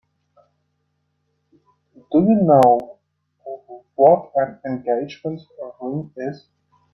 Do you know what an engagement ring is?